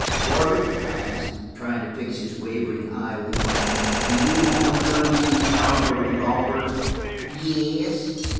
"Wardrop," I asked, trying to fix his wavering eyes with mine, "do you own a thirty two caliber revolver?" "Yes."